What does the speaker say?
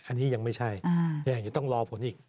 อันนี้ยังไม่ใช่ยังจะต้องรอผลอีก